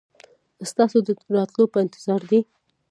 ستاسو د راتلو په انتظار دي.